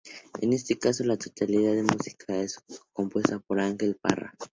En este caso, la totalidad de la música está compuesta por Ángel Parra.